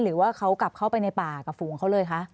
หรือว่าเขากลับเข้าไปในป่ากับฝูงเขาเลยคะ